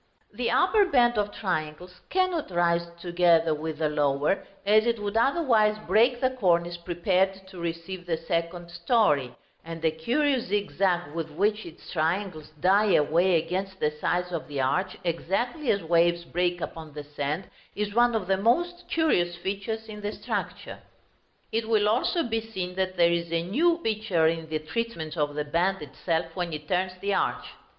The upper band of triangles cannot rise together with the lower, as it would otherwise break the cornice prepared to receive the second story; and the curious zigzag with which its triangles die away against the sides of the arch, exactly as waves break upon the sand, is one of the most curious features in the structure. It will be also seen that there is a new feature in the treatment of the band itself when it turns the arch.